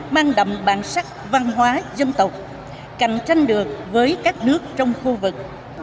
mang đậm bản sắc văn hóa dân tộc cạnh tranh được với các nước trong khu vực